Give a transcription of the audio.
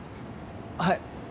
はい。